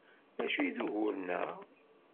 D acu i d ugur-nneɣ?